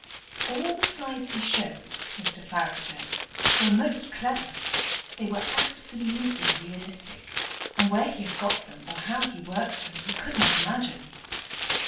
All the slides he showed, Mr Farrer said, were most clever; they were absolutely realistic, and where he had got them or how he worked them he could not imagine.